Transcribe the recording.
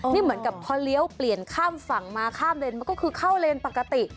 นี่เหมือนกับพอเลี้ยวเปลี่ยนข้ามฝั่งมาข้ามเลนมันก็คือเข้าเลนปกติ